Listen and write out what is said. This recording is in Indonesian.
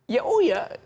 ya oh ya